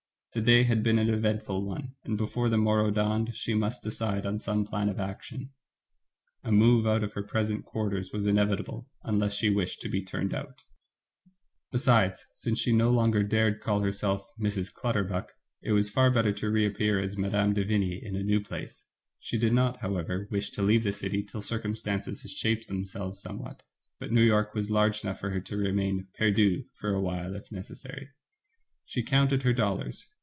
The day had been an eventful one, and before the morrow dawned she must decide on some plan of action. A move out of her present quarters was inev itable, unless she wished to be turned gwti Be Digitized by Google 2l8 THE FATE OF FEN ELLA, sides, since she no longer dared call herself Mrs. Clutterbuck, it was far better to reappear as Mme.de Vigny in a new place. She did not, however, wish to leave the city till circumstances had shaped themselves somewhat ; but New York ^ was large enough for her to remain perdu for awhile if necessary She counted her dollars.